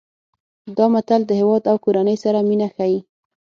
دا متل د هیواد او کورنۍ سره مینه ښيي